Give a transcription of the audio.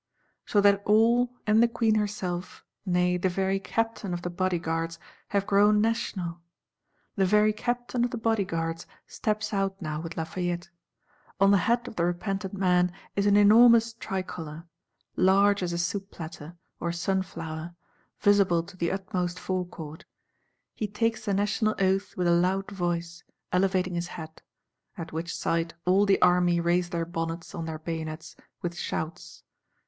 So that all, and the Queen herself, nay the very Captain of the Bodyguards, have grown National! The very Captain of the Bodyguards steps out now with Lafayette. On the hat of the repentant man is an enormous tricolor; large as a soup platter, or sun flower; visible to the utmost Forecourt. He takes the National Oath with a loud voice, elevating his hat; at which sight all the army raise their bonnets on their bayonets, with shouts.